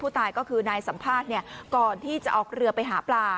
ตายก็คือนายสัมภาษณ์ก่อนที่จะออกเรือไปหาปลา